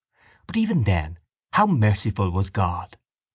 But even then how merciful was God!